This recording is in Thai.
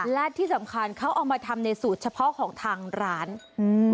และที่สำคัญเขาเอามาทำในสูตรเฉพาะของทางร้านอืม